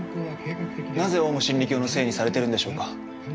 なぜオウム真理教のせいにされてるんでしょうか？